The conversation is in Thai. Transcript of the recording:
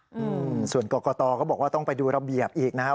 อืมส่วนกรกตก็บอกว่าต้องไปดูระเบียบอีกนะครับ